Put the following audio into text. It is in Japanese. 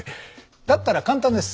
だったら簡単です。